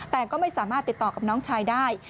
แต่ก็ไม่สามารถติดต่อกับน้องชายได้